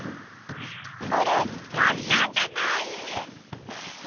これがっしゃんじゃない？